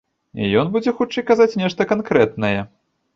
Ён будзе хутчэй казаць нешта канкрэтнае.